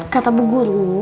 kata bu guru